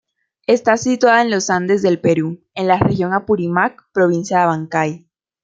Está situada en los Andes del Perú, en la Región Apurímac, provincia de Abancay.